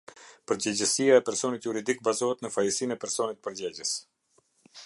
Përgjegjësia e personit juridik bazohet në fajësinë e personit përgjegjës.